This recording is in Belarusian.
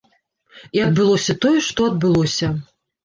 І адбылося тое, што адбылося.